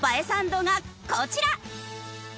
サンドがこちら！